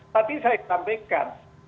tadi saya sampaikan